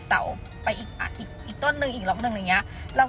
เสาไปอีกอ่ะอีกต้นหนึ่งอีกรอบหนึ่งอะไรอย่างเงี้ยเราก็